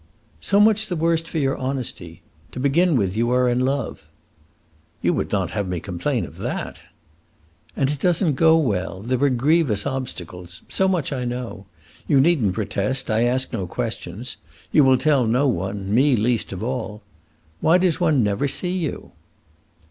"So much the worse for your honesty. To begin with, you are in love." "You would not have me complain of that!" "And it does n't go well. There are grievous obstacles. So much I know! You need n't protest; I ask no questions. You will tell no one me least of all. Why does one never see you?"